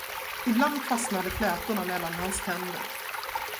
Ibland fastnade flätorna mellan hans tänder.